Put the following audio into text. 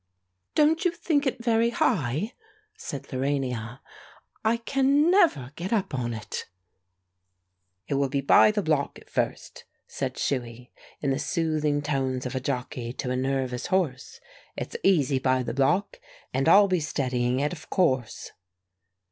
"Don't you think it very high?" said Lorania. "I can never get up on it!" "It will be by the block at first," said Shuey, in the soothing tones of a jockey to a nervous horse; "it's easy by the block. And I'll be steadying it, of course."